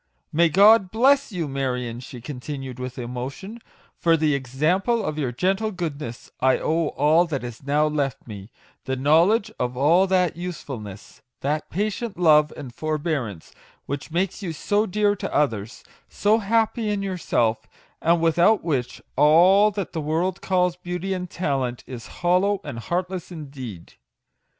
" May God bless you, Marion !" she con tinued with emotion ;" for to the example of MAGIC WORDS. 41 your gentle goodness I owe all that is now left me, the knowledge of that usefulness, that patient love and forbearance, which makes you so dear to others, so happy in yourself, and without which all that the world calls beauty and talent is hollow and heartless indeed